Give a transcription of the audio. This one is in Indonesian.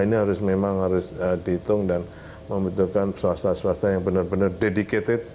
ini memang harus dihitung dan membutuhkan swasta swasta yang benar benar dedicated